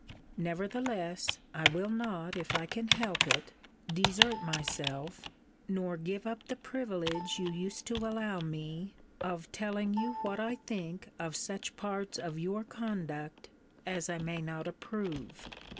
Nevertheless, I will not, if I can help it, desert myself, nor give up the privilege you used to allow me, of telling you what I think of such parts of your conduct as I may not approve.